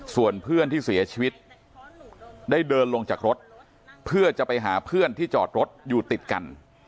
ส่วนเพื่อนที่เสียชีวิตได้เดินลงจากรถเพื่อจะไปหาเพื่อนที่จอดรถอยู่ติดกัน